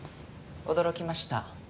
驚きました。